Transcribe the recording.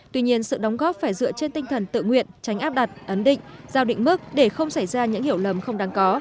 tuy nhiên sự đóng góp phải dựa trên tinh thần tự nguyện tránh áp đặt ấn định giao định mức để không xảy ra những hiểu lầm không đáng có